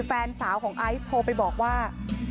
แฟนสาวของไอซ์โทรไปบอกว่า